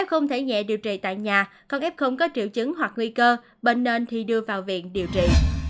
f thể nhẹ điều trị tại nhà còn f có triệu chứng hoặc nguy cơ bệnh nên thì đưa vào viện điều trị